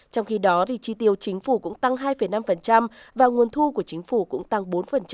trong khi đó chi tiêu chính phủ cũng tăng hai năm và nguồn thu của chính phủ cũng tăng bốn